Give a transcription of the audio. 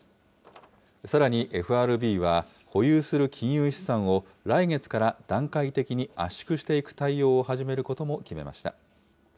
さらにＦＲＢは保有する金融資産を来月から段階的に圧縮していく対応を始めることも決めました。